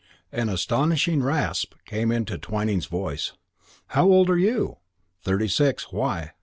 An astonishing rasp came into Twyning's voice. "How old are you?" "Thirty six. Why?"